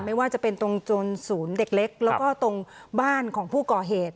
ไม่ว่าจะเป็นตรงจนศูนย์เด็กเล็กแล้วก็ตรงบ้านของผู้ก่อเหตุ